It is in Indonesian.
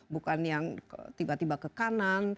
bukan yang tiba tiba ke kanan